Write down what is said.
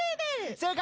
正解！